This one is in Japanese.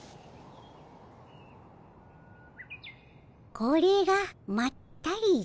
これがまったりじゃ。